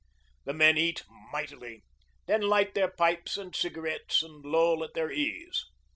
The men eat mightily, then light their pipes and cigarettes and loll at their ease.